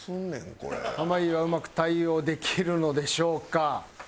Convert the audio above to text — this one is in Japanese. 濱家はうまく対応できるのでしょうか。